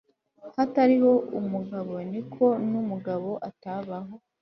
hatariho umugabo ni ko n umugabo atabaho